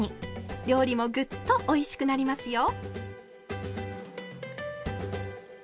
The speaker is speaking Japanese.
料理もぐっとおいしくなりますよ。